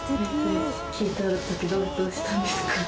聞いた時どうしたんですか？